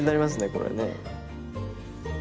これね。